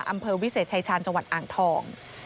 อำเภอวิเศษชายชาญจังหวัดอ่างทอง